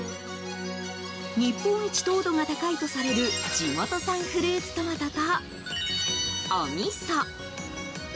日本一糖度が高いとされる地元産フルーツトマトとおみそ。